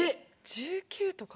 １９とか？